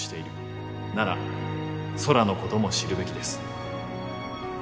なら空のことも知るべきです。